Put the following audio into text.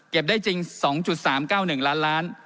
ได้จริง๒๓๙๑ล้านล้าน